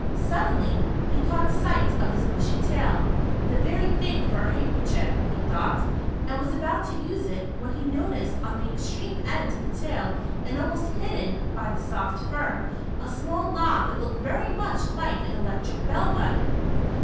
Suddenly he caught sight of his bushy tail. " The very thing for a handkerchief," he thought, and was about to use it, when he noticed on the extreme end of the tail, and almost hidden by the soft fur, a small knob that looked very much like an electric bell button.